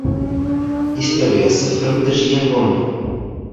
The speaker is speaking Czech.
Historie se film drží jen volně.